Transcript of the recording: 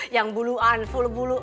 yang buluan full bulu